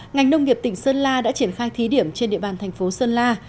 ngành nông nghiệp tỉnh sơn la đã triển khai thí điểm trên địa bàn thành phố sơn la